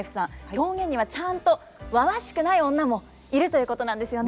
狂言にはちゃんとわわしくない女もいるということなんですよね。